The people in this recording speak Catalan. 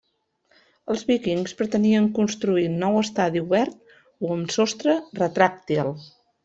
Els Vikings pretenien construir un nou estadi obert o amb sostre retràctil.